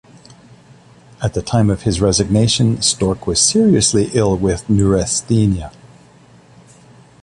At the time of his resignation, Storck was seriously ill with Neurasthenia.